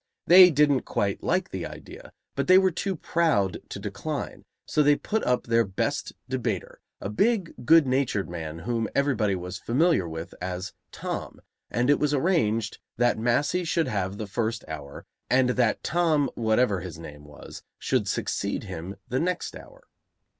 They didn't quite like the idea, but they were too proud to decline, so they put up their best debater, a big, good natured man whom everybody was familiar with as "Tom," and it was arranged that Massey should have the first hour and that Tom Whatever his name was should succeed him the next hour.